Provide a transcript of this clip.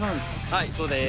はいそうです。